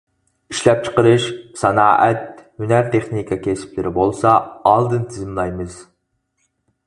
ئىشلەپچىقىرىش، سانائەت، ھۈنەر-تېخنىكا كەسىپلىرى بولسا ئالدىن تىزىملايمىز.